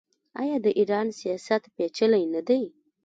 آیا د ایران سیاست پیچلی نه دی؟